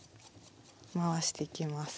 回していきます。